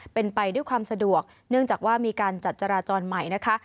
เป็นไปด้วยความสะดวกเนื่องจากว่ามีการจัดจราจรใหม่นะคะ